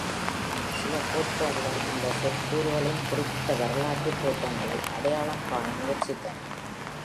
சில கோட்பாடுகள் இந்த சொற்கூறுகளின் குறிப்பிட்ட வரலாற்று தோற்றங்களை அடையாளம் காண முயற்சித்தன.